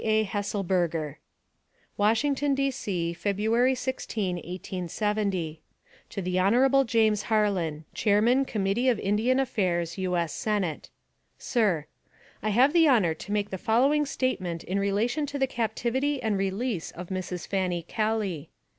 A. HES SELBERGER. WASHINGTON, D. C., Feb'y 16, 1870. To the Hon. JAMES HAUL AN, Chairman Coin. Ind. Affairs, U. S. Senate. SIR: I have the honor to make the following statement in relation to the captivity and release of Mrs. Fanny Kelly.